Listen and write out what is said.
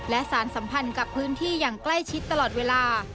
และสารสัมพันธ์กับพื้นที่อย่างใกล้ชิดตลอดเวลา